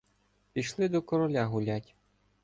Пішли до короля гулять.